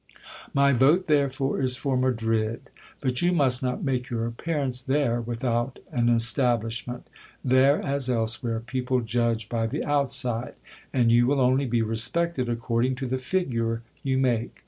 My vote, therefore, is for Madrid : but you must not make your appearance there without an establishment. There, as elsewhere, people judge by the outside ; and you will only be respected according to the figure you make.